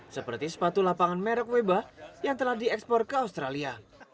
seperti sepatu lapangan merek webah yang telah diekspor ke australia